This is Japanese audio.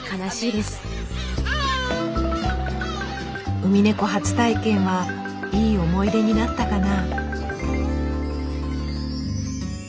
ウミネコ初体験はいい思い出になったかな？